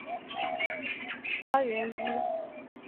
发源在江西省婺源县东北部的五龙山西南麓。